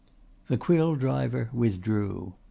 The quill driver withdrew.